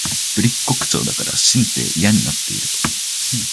ぶりっ子口調だから心底嫌になっている